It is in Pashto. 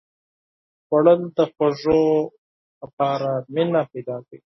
خوړل د خوږو لپاره مینه پیدا کوي